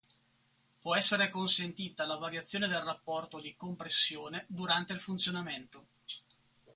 Può essere consentita la variazione del rapporto di compressione durante il funzionamento.